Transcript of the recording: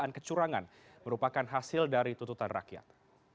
dan kecurangan merupakan hasil dari tuntutan rakyat